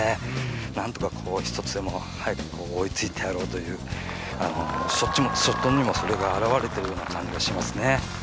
なんとか一つでも早く追いついてやろうというショットにもそれが表れているような感じがしますね。